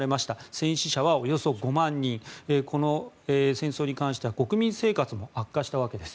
戦死者はおよそ５万人この戦争に関しては国民生活も悪化したわけです。